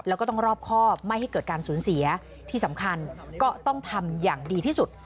แล้วก็ต้องรอบครอบไม่ให้เกิดการสูญเสียที่สำคัญก็ต้องทำอย่างดีที่สุด